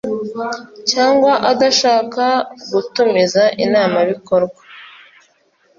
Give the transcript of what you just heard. cyangwa adashaka gutumiza inama bikorwa